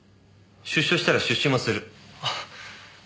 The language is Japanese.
出所したら出資もする。